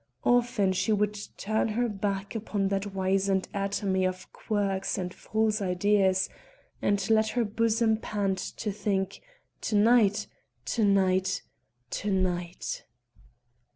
Often she would turn her back upon that wizened atomy of quirks and false ideals, and let her bosom pant to think to night! to night! to night!